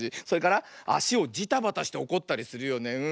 それからあしをジタバタしておこったりするよね。